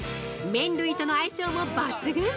麺類との相性も抜群。